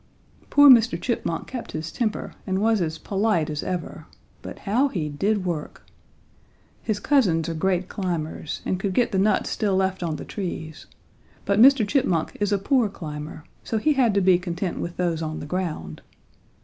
"Poor Mr. Chipmunk kept his temper and was as polite as ever, but how he did work! His cousins are great climbers and could get the nuts still left on the trees, but Mr. Chipmunk is a poor climber, so he had to be content with those on the ground.